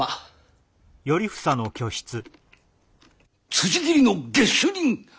つじ斬りの下手人！？